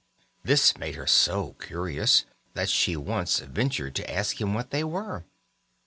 This made her so curious that she once ventured to ask him what they were.